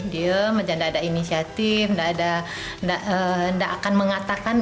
dia tidak ada inisiatif tidak akan mengatakan